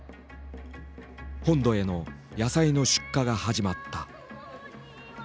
本土への野菜の出荷が始まった。